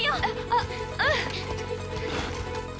あっうん！